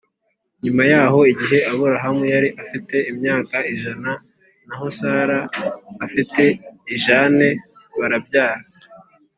Nyuma yaho igihe Aburahamu yari afite imyaka ijana naho Sara afite ijane barabyara